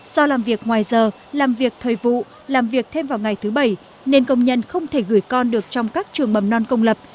do làm việc ngoài giờ làm việc thời vụ làm việc thêm vào ngày thứ bảy nên công nhân không thể gửi con được trong các trường mầm non công lập